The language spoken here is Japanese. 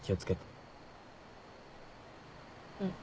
うん。